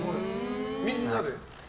みんなで？